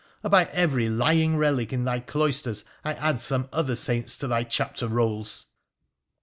or by every lying relic in thy cloisters I add some other saints to thy chapter rolls